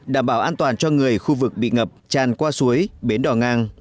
đảm bảo an toàn cho người khu vực bị ngập tràn qua suối bến đỏ ngang